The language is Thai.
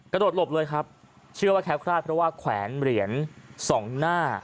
กระโดดหลบเลยครับเชื่อว่าแค้วคลาดเพราะว่าแขวนเหรียญสองหน้า